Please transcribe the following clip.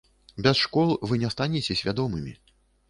Без школ вы не станеце свядомымі.